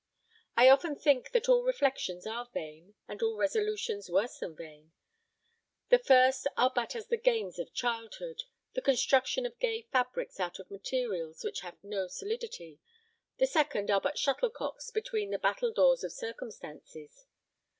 I often think that all reflections are vain, and all resolutions worse than vain. The first are but as the games of childhood the construction of gay fabrics out of materials which have no solidity; the second are but shuttlecocks between the battledoors of circumstances.